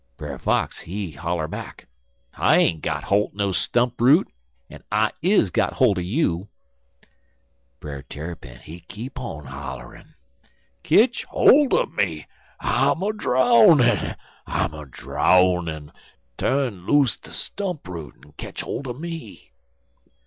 "Brer Fox he holler back: "'I ain't got holt er no stump root, en I is got holt er you.' "Brer Tarrypin he keep on holler'n: "'Ketch holt er me I'm a drownin' I'm a drownin' tu'n loose de stump root en ketch holt er me.'